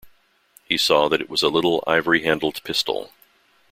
He saw that it was a little ivory-handled pistol.